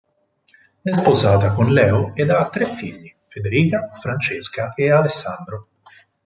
È sposata con Leo ed ha tre figli: Federica, Francesca ed Alessandro.